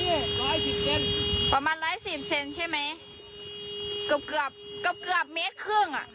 ก็เกือบ๑๕เมตร